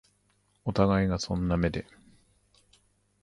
お互いがそんな目で